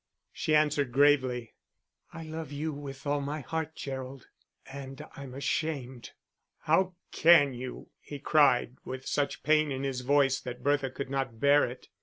She answered gravely, "I love you with all my heart, Gerald; and I'm ashamed." "How can you!" he cried, with such pain in his voice that Bertha could not bear it.